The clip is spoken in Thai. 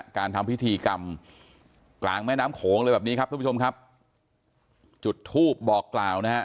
การทำพิธีกรรมกลางแม่น้ำโขงเลยแบบนี้ครับทุกผู้ชมครับจุดทูปบอกกล่าวนะฮะ